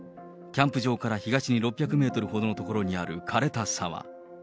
キャンプ場から東に６００メートルほどの所にあるかれた沢。